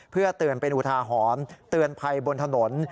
เพื่อเตือนเป็นอุทาหรณ์เตือนภัยบนถนน